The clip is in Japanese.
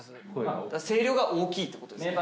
声量が大きいってことですね。